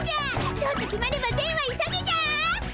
そうと決まれば善は急げじゃ！